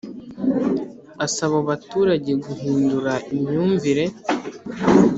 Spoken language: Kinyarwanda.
Asaba abo baturage guhindura imyumvire